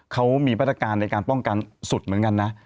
เขามีมาตรการในการป้องกันสุดเหมือนกันนะ